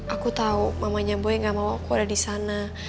aku tau mamanya boy gak mau aku ada disana